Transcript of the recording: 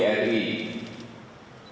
yang ketiga kementerian pbi